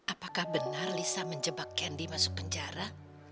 apakah benar lisa menjebak kendi masuk penjara